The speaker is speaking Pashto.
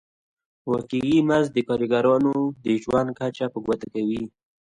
واقعي مزد د کارګرانو د ژوند کچه په ګوته کوي